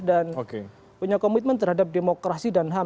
dan punya komitmen terhadap demokrasi dan ham